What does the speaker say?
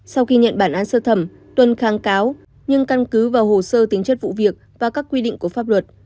sau khi nhận bản án sơ thẩm tuân kháng cáo nhưng căn cứ vào hồ sơ tính chất vụ việc và các quy định của pháp luật